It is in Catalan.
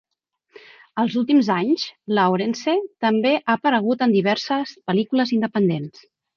Els últims anys, Lawrence també ha aparegut en diverses pel·lícules independents.